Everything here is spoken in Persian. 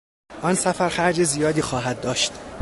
آن سفر خرج زیادی خواهد داشت.